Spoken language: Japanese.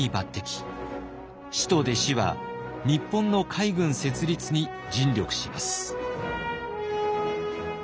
師と弟子は日本の海軍設立に尽力します。